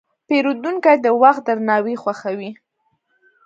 پیرودونکی د وخت درناوی خوښوي.